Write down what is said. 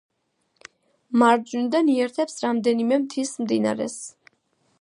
მარჯვნიდან იერთებს რამდენიმე მთის მდინარეს.